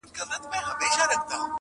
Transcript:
خلک زده کوي چي خبري لږې او فکر ډېر کړي,